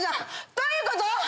どういうこと？